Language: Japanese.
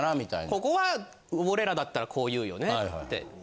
ここは俺らだったらこう言うよねって。